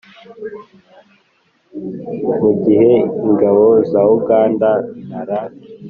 mu gihe ingabo za uganda (nra)